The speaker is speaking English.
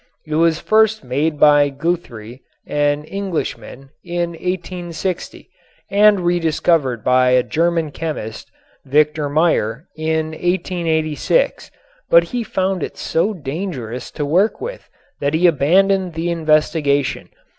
It was first made by Guthrie, an Englishman, in 1860, and rediscovered by a German chemist, Victor Meyer, in 1886, but he found it so dangerous to work with that he abandoned the investigation.